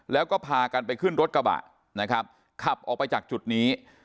แล้วก็พากันไปขึ้นรถกระบะนะครับขับออกไปจากจุดนี้